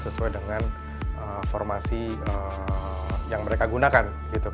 sesuai dengan formasi yang mereka gunakan